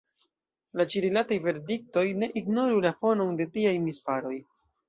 La ĉi-rilataj verdiktoj ne ignoru la fonon de tiaj misfaroj.